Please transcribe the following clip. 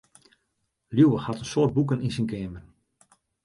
Liuwe hat in soad boeken yn syn keamer.